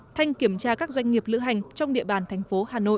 thanh kiểm tra các doanh nghiệp lữ hành trong địa bàn thành phố hà nội